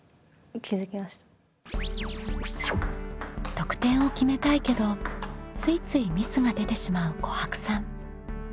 得点を決めたいけどついついミスが出てしまうこはくさん。